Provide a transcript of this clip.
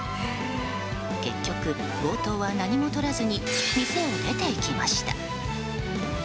結局、強盗は何も取らずに店を出て行きました。